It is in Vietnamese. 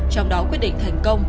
trong đó quyết định thành công